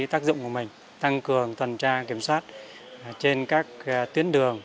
tác dụng của mình tăng cường tuần tra kiểm soát trên các tuyến đường